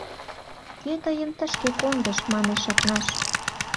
— Кӧ тыйым тышке кондыш? — манеш Акнаш.